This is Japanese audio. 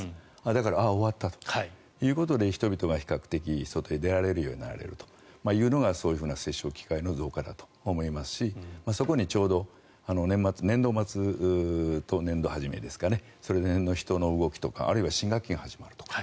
だから終わったということで人々が比較的外へ出られるようになるというのがそういう接触機会の増加だと思いますしそこにちょうど年度末と年度初めですかねそれの人の動きとかあるいは新学期が始まると。